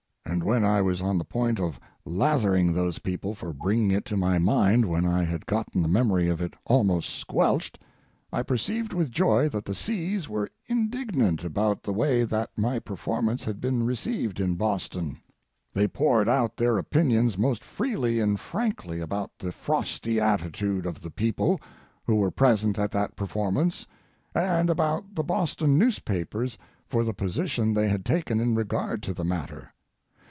And when I was on the point of lathering those people for bringing it to my mind when I had gotten the memory of it almost squelched, I perceived with joy that the C.'s were indignant about the way that my performance had been received in Boston. They poured out their opinions most freely and frankly about the frosty attitude of the people who were present at that performance, and about the Boston newspapers for the position they had taken in regard to the matter.